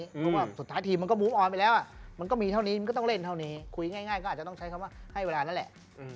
เพราะว่าสุดท้ายทีมมันก็มุ้งออนไปแล้วมันก็มีเท่านี้มันก็ต้องเล่นเท่านี้คุยง่ายก็อาจจะต้องใช้คำว่าให้เวลานั่นแหละ